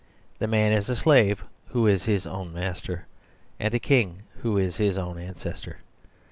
The man is a slave who is his own master, and a king who is his own ancestor.